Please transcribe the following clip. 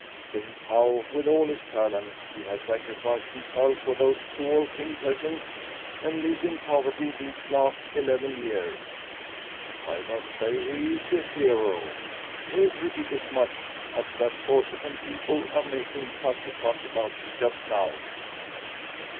Think how, with all his talents, he has sacrificed himself for those poor Finn peasants and lived in poverty these last eleven years. I must say he is a hero, every bit as much as that Corsican people are making such a fuss about just now."